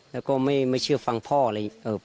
แล้วก็ไม่เชื่อฟังพ่ออะไรอย่างนี้